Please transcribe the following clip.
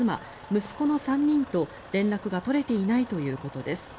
息子の３人と連絡が取れていないということです。